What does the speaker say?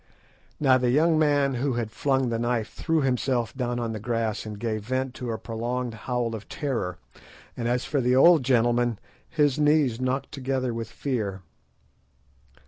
Now the young man who had flung the knife threw himself down on the grass and gave vent to a prolonged howl of terror; and as for the old gentleman, his knees knocked together with fear.